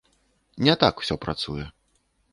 Не так усё працуе.